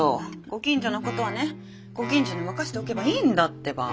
ご近所のことはねご近所に任せておけばいいんだってば。